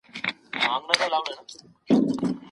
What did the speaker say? ځینې ماشومان غواړي پیلوټ شي.